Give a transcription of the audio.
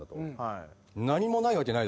何もないわけないだろと。